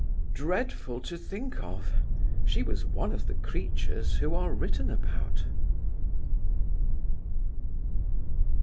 Dreadful to think of! she was one of the creatures who are written about.